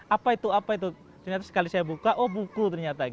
apa itu apa itu ternyata sekali saya buka oh buku ternyata